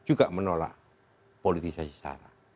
juga menolak politisasi sara